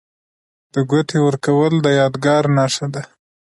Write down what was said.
د ګوتې ورکول د یادګار نښه ده.